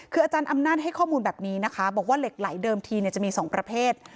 คืออาจารย์อำนาจให้ข้อมูลแบบนี้นะคะบอกว่าเหล็กไหลเดิมทีจะมี๒ประเภท